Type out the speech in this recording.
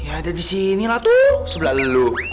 ya ada di sini lah tuh sebelah lu